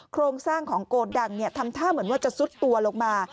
โครงสร้างของโกดังทำท่าเหมือนว่าจะซุดตัวลงมา